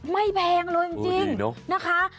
แพงเลยจริงนะคะ